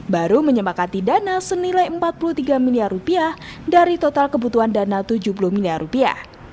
baru menyemakati dana senilai empat puluh tiga miliar rupiah dari total kebutuhan dana tujuh puluh miliar rupiah